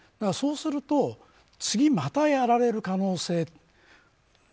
そうすると次、またやられる可能性。